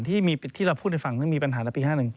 ที่เราพูดในฝั่งมีปัญหาในปี๕๑